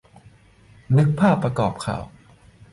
นึกว่าภาพประกอบข่าว